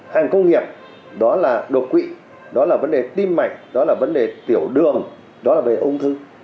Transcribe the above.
hành công nghiệp đó là đột quỵ đó là vấn đề tim mạch đó là vấn đề tiểu đường đó là về ung thư